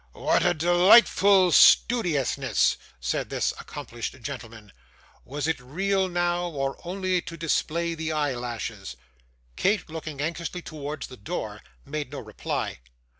'What a delightful studiousness!' said this accomplished gentleman. 'Was it real, now, or only to display the eyelashes?' Kate, looking anxiously towards the door, made no reply.